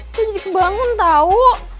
itu jadi kebangun tau